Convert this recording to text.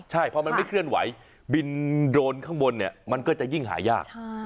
ใช่พอมันไม่เคลื่อนไหวบินโดรนข้างบนเนี่ยมันก็จะยิ่งหายาก